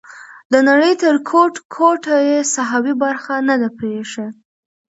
د نړۍ تر ګوټ ګوټه یې ساحوي برخه نه ده پریښې.